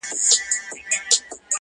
د مړونو قدر کم سي چي پردي وطن ته ځینه!